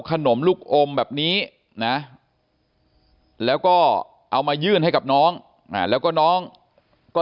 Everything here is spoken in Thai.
ขนมลูกอมแบบนี้นะแล้วก็เอามายื่นให้กับน้องแล้วก็น้องก็